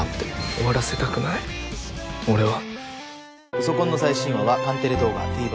終わらせたくない俺は。